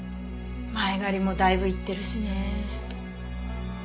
前借りもだいぶいってるしねえ。